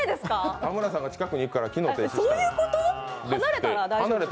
田村さんが近くに行くから機能停止した。